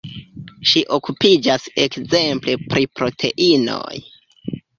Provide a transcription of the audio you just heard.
Ŝi okupiĝas ekzemple pri proteinoj.